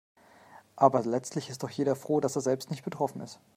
Aber letztlich ist doch jeder froh, dass er selbst nicht betroffen ist.